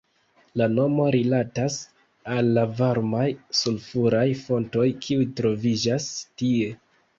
La nomo rilatas al la varmaj sulfuraj fontoj, kiuj troviĝas tie.